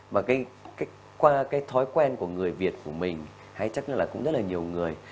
mà qua cái thói quen của người việt của mình hay chắc là cũng rất là nhiều người